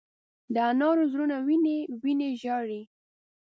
د انارو زړونه وینې، وینې ژاړې